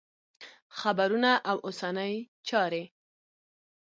خبرونه او اوسنۍ چارې